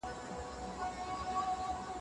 هیوادونه د یو بل کلتوري تنوع ته په درنښت ګوري.